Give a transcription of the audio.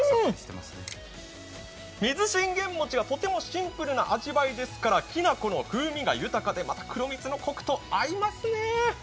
水信玄餅がとてもシンプルな味わいですからきな粉の風味が豊かで、また黒蜜のこくと合いますね。